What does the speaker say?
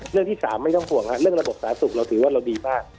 เรื่องที่๓ไม่ต้องห่วงเรื่องระบบสาธารณสุขเราถือว่าเราดีมาก